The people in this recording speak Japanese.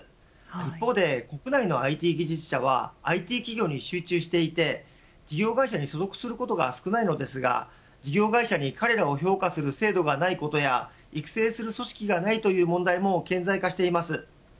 一方で、国内のＩＴ技術者はＩＴ企業に集中していて事業会社に所属することが少ないのですが事業会社に彼らを評価する制度がないことや育成する組織がないという問題も顕在化しています。